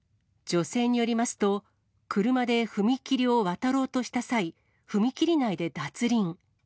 女性によりますと、車で踏切を渡ろうとした際、踏切内で脱輪。